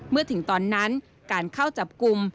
เมื่อถึงตอนนั้นการเข้าจับกลุ่ม